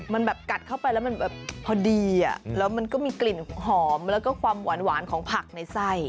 มันแบบกัดเข้าไปแล้วมันแบบพอดีแล้วมันก็มีกลิ่นหอมแล้วก็ความหวานของผักในไส้